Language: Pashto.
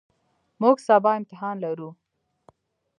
موږ سبا امتحان لرو.